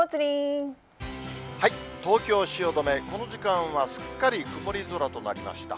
東京・汐留、この時間はすっかり曇り空となりました。